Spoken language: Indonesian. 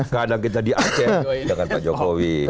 kadang kita di aceh dengan pak jokowi